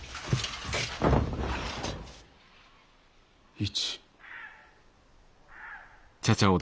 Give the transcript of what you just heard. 市。